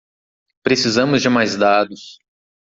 Precisamos de mais dados.